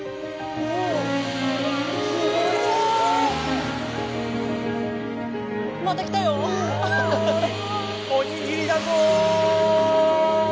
おいおにぎりだぞ！